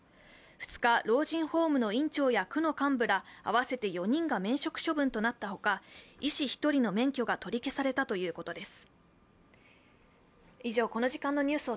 ２日、老人ホームの院長ら区の幹部ら合わせて４人が免職処分となったほか、医師１人の免許が取り消されたということです。